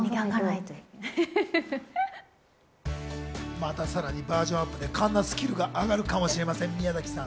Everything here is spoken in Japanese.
またさらにバージョンアップで、カンナスキルが上がるかもしれません、宮崎さん。